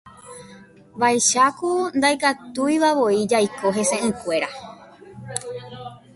Vaicháku ndaikatuivavoi jaiko hese'ỹkuéra.